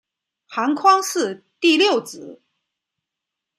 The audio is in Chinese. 韩匡嗣第六子。